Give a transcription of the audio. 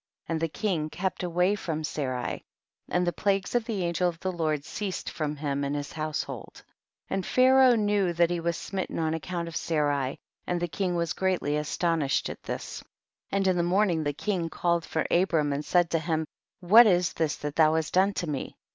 28. And the king kept away from Sarai, and the plagues of the angel of the' Lord ceased from him and his liousehold ; and Pharaoh knew that he was smitten on account of Sarai, and the king was greatly astonished at tills. 29. And in the mornincr the kinfj called for Abram and said to 1dm, what is this thou hast done to me